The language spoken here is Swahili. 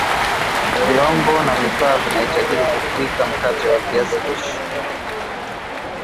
Vyombo na vifaa vinavyahitajika kupika mkate wa viazi lishe